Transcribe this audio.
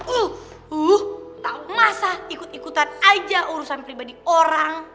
uh tahu masa ikut ikutan aja urusan pribadi orang